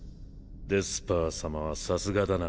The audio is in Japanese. デスパー様はさすがだな。